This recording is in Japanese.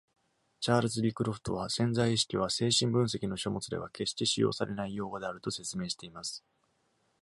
チャールズ・リクロフトは、潜在意識は「精神分析の書物では決して使用されない」用語であると説明しています。